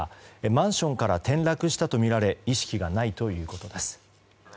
マンションから転落したとみられ意識がないということです。